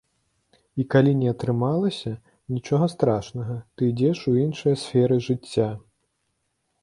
І калі не атрымалася, нічога страшнага, ты ідзеш у іншыя сферы жыцця.